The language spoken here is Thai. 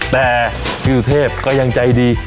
แต่พี่สุเทพก็ยังใจดี